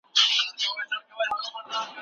خاوند د شرعي موانعو پرته خپله ميرمن رابللای سي.